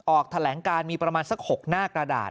ออกแถลงการมีประมาณสัก๖หน้ากระดาษ